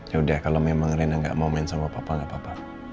ya udah kalau memang reina enggak mau main sama papa enggak apa apa